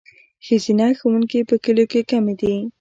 ښځینه ښوونکي په کلیو کې کمې دي.